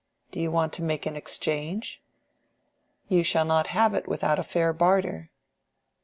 Do you want to make an exchange? You shall not have it without a fair barter."